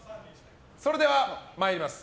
それでは参ります。